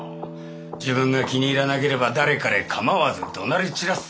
自分が気に入らなければ誰彼かまわずどなり散らす。